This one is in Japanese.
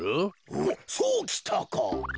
おっそうきたか。